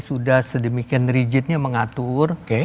sudah sedemikian rigidnya mengatur